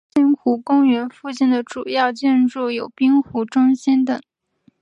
方兴湖公园附近的主要建筑有滨湖中心等。